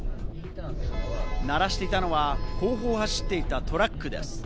鳴らしていたのは後方を走っていたトラックです。